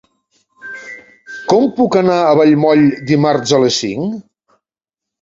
Com puc anar a Vallmoll dimarts a les cinc?